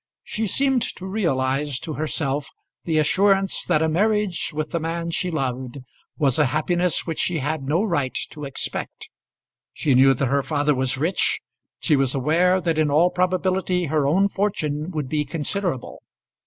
She seemed to realise to herself the assurance that a marriage with the man she loved was a happiness which she had no right to expect. She knew that her father was rich. She was aware that in all probability her own fortune would be considerable.